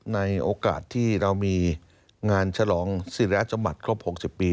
ในโอกาสที่เรามีงานฉลองศิริราชสมบัติครบ๖๐ปี